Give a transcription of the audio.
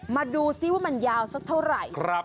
มาดูซิว่ามันยาวสักเท่าไหร่